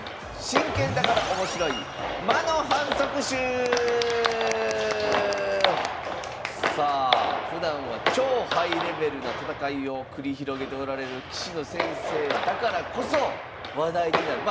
今日の特集はさあふだんは超ハイレベルな戦いを繰り広げておられる棋士の先生だからこそ話題になる。